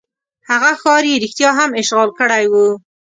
هغه ښار یې رښتیا هم اشغال کړی وو.